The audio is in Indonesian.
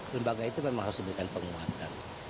lembaga itu memang harus diberikan penguatan